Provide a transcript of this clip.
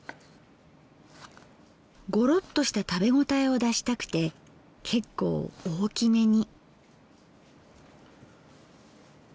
ゴロッとした食べ応えを出したくて結構大きめに。